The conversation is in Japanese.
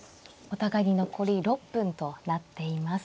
お互いに残り６分となっています。